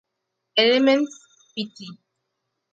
Elements, Pt.